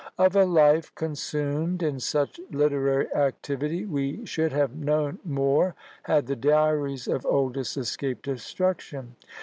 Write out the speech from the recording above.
Of a life consumed in such literary activity we should have known more had the Diaries of Oldys escaped destruction.